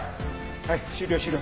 はい終了終了。